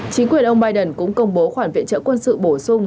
chính quyền ông biden cũng công bố khoản viện trợ quân sự bổ sung